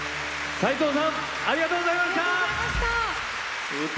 斉藤さんありがとうございました。